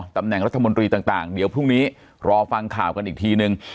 ตำแหน่งรัฐมนตรีต่างเดี๋ยวพรุ่งนี้รอฟังข่าวกันอีกทีนึง